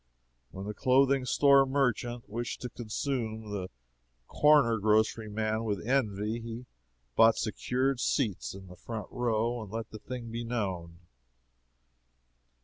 When the clothing store merchant wished to consume the corner grocery man with envy, he bought secured seats in the front row and let the thing be known.